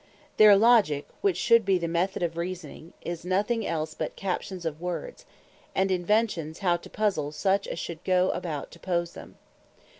Their Logique which should bee the Method of Reasoning, is nothing else but Captions of Words, and Inventions how to puzzle such as should goe about to pose them.